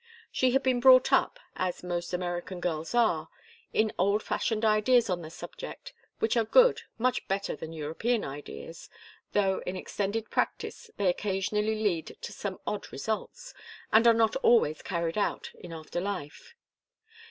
She had been brought up, as most American girls are, in old fashioned ideas on the subject, which are good, much better than European ideas, though in extended practice they occasionally lead to some odd results, and are not always carried out in after life.